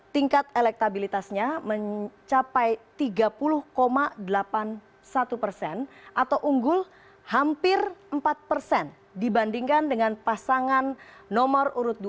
tingkat elektabilitasnya mencapai tiga puluh delapan puluh satu persen atau unggul hampir empat persen dibandingkan dengan pasangan nomor urut dua